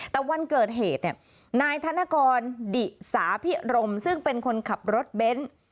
แต่วันเกิดเหตุเนี่ยนายธนกรดิสาพิรมซึ่งเป็นคนขับรถเบนท์